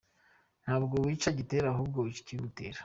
Ntabwo wica Gitera ahubwo wica ikibimutera.